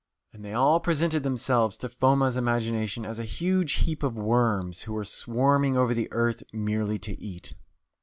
And they all presented themselves to Foma's imagination as a huge heap of worms, who were swarming over the earth merely to eat."